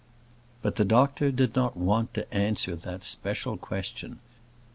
But the doctor did not want to answer that special question.